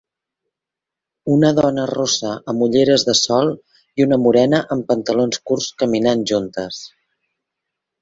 Una dona rossa amb ulleres de sol i una morena amb pantalons curts caminant juntes.